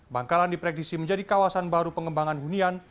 bangkalan diprediksi menjadi kawasan baru pengembangan hunian